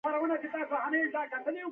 په بل هېڅ شي کې یې ری نه واهه.